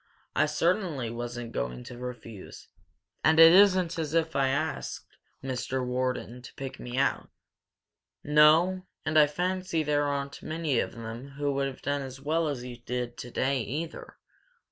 "I certainly wasn't going to refuse. And it isn't as if I'd asked Mr. Wharton to pick me out." "No, and I fancy there aren't many of them who would have done as well as you did today, either!"